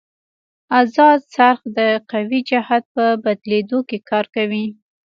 ازاد څرخ د قوې جهت په بدلېدو کې کار کوي.